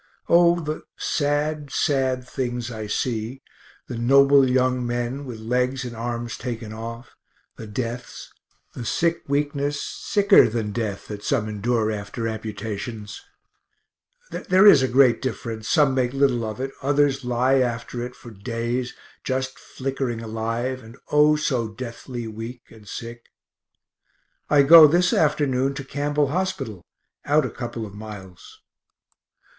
O the sad, sad things I see the noble young men with legs and arms taken off the deaths the sick weakness, sicker than death, that some endure, after amputations (there is a great difference, some make little of it, others lie after it for days, just flickering alive, and O so deathly weak and sick). I go this afternoon to Campbell hospital, out a couple of miles.